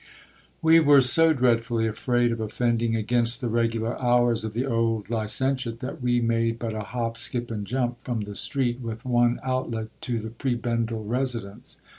We were so dreadfully afraid of offending against the regular hours of the old licentiate, that we made but a hop, skip, and jump, from the street with one outlet, to the prebendal residence.